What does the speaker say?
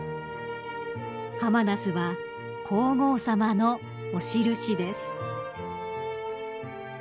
［ハマナスは皇后さまのお印です］